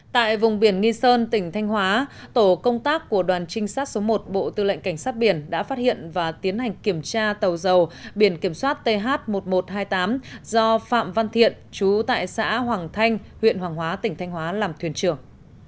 tại vùng biển nghi sơn tỉnh thanh hóa tổ công tác của đoàn trinh sát số một bộ tư lệnh cảnh sát biển đã phát hiện và tiến hành kiểm tra tàu dầu biển kiểm soát th một nghìn một trăm hai mươi tám do phạm văn thiện chú tại xã hoàng thanh huyện hoàng hóa tỉnh thanh hóa làm thuyền trưởng